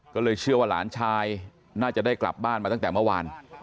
ก็เลยเชื่อว่าหลานชายน่าจะได้กลับบ้านมาตั้งแต่เมื่อวาน